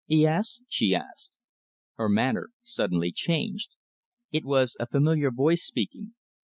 "Yes?" she asked. Her manner suddenly changed. It was a familiar voice speaking.